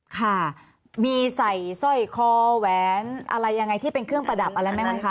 ค่ะมีใส่สร้อยคอแหวนอะไรยังไงที่เป็นเครื่องประดับอะไรไหมคะ